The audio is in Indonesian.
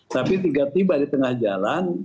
tapi tiba tiba di tengah jalan